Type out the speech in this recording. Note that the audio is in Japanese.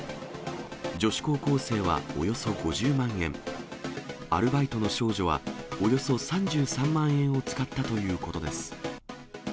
女子高校生はおよそ５０万円、アルバイトの少女はおよそ３３万円を使ったということです。